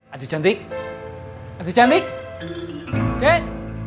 aduh cantik aduh cantik deh